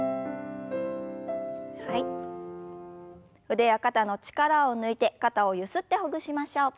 腕や肩の力を抜いて肩をゆすってほぐしましょう。